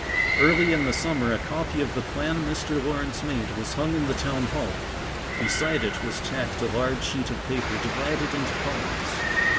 Early in the summer a copy of the plan Mr. Lawrence made was hung in the Town Hall. Beside it was tacked a large sheet of paper, divided into columns.